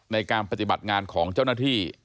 ในการปฏิบัติงานของเจ้าหน้าที่